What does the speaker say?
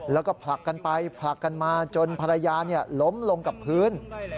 แล้วก็ผลักกันไปผลักกันมาจนภรรยาล้มลงกับพื้น